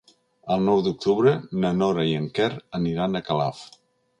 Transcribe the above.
El nou d'octubre na Nora i en Quer aniran a Calaf.